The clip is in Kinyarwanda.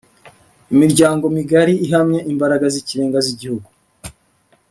Imiryango migari ihamye Imbaraga z’ikirenga z’igihugu.